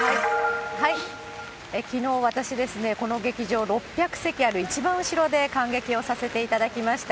きのう、私ですね、この劇場、６００席ある一番後ろで観劇をさせていただきました。